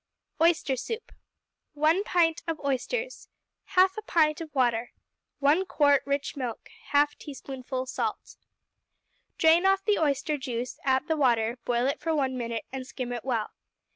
Oyster Soup 1 pint oysters. 1/2 pint water. 1 quart rich milk. 1/2 teaspoonful salt. Drain off the oyster juice, add the water, boil it for one minute, and skim it well.